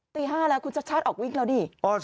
ตี๕แล้วคุณชัดชาติออกวิ่งแล้วดิ